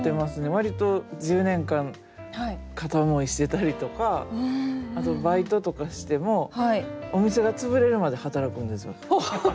割と１０年間片思いしてたりとかあとバイトとかしてもお店が潰れるまで働くんですよ。